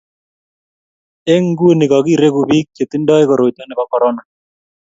eng' nguni kakireku biik che tingdoi koroito nebo korona